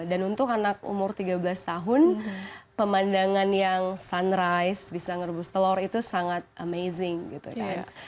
dan untuk anak umur tiga belas tahun pemandangan yang sunrise bisa kerebus telor itu sangat menarik